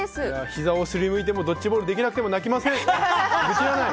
膝を擦りむいてもドッジボールできなくても泣きません。